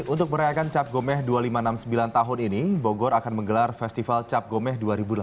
untuk merayakan cap gomeh dua ribu lima ratus enam puluh sembilan tahun ini bogor akan menggelar festival cap gomeh dua ribu delapan belas